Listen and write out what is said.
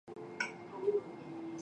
最后用兵进攻。